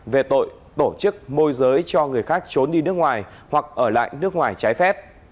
về tội tổ chức môi giới cho người khác trốn đi nước ngoài hoặc ở lại nước ngoài trái phép